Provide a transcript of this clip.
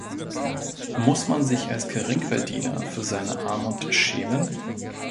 Muss man sich als Geringverdiener für seine Armut schämen?